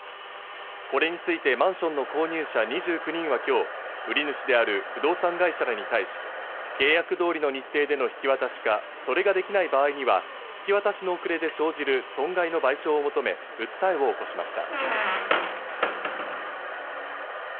これについてマンションの購入者２９人は今日、売り主である不動産会社らに対し、契約通りの日程での引き渡しか、それができない場合には引き渡しの遅れで生じる損害の賠償を求め訴えを起こしました。